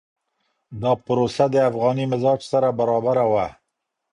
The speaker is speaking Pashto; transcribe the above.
دا پروسه د افغاني مزاج سره برابره وه.